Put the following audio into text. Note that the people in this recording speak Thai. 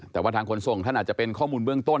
แต่ว่าทางขนส่งท่านอาจจะเป็นข้อมูลเบื้องต้น